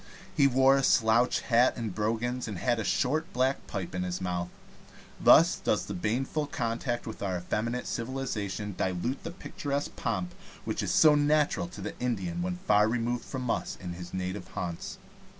He wore a slouch hat and brogans, and had a short black pipe in his mouth. Thus does the baneful contact with our effeminate civilization dilute the picturesque pomp which is so natural to the Indian when far removed from us in his native haunts.